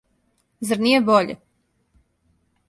Зар није боље?